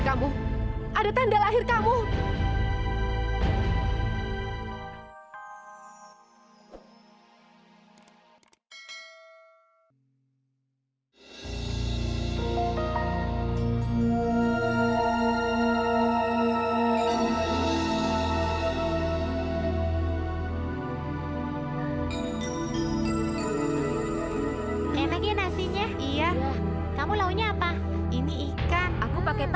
jangan jangan sabar sabar sabar pak